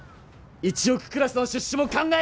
１億クラスの出資も考える」って！